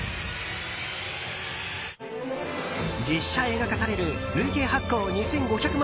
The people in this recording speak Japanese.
実写映画化される累計発行２５００万